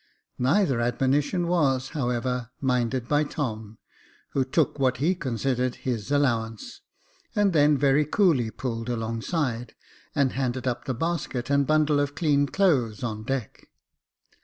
Neither admonition was, however, minded by Tom, who took what he considered his allowance, and then very coolly pulled alongside, and handed up the basket and bundle of clean clothes on deck.